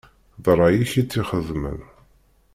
D ṛṛay-ik i tt-ixedmen.